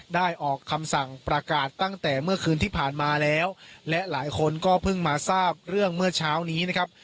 ได้ออกคำสั่งประกาศตั้งแต่เมื่อคืนที่ผ่านมาแล้วและหลายคนก็เพิ่งมาทราบเรื่องเมื่อเช้านี้นะครับ